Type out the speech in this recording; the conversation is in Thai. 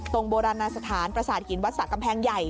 โบราณสถานประสาทหินวัดสะกำแพงใหญ่